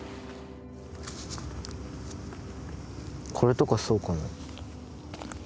これとかそうかな。